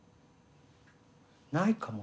ないかも。